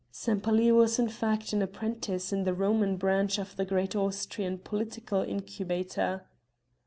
Sempaly was in fact an apprentice in the Roman branch of the great Austrian political incubator.